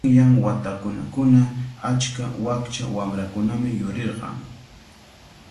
Qanyan watakunakuna achka wakcha wamrakunami yurirqan.